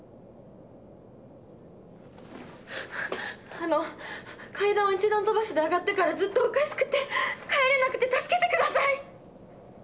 あの階段を１段飛ばしで上がってからずっとおかしくて帰れなくて助けて下さい！